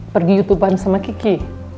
pergi youtube an sama kiki